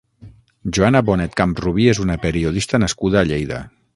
Joana Bonet Camprubí és una periodista nascuda a Lleida.